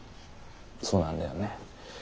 そうなんだよね。